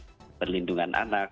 dinas perlindungan anak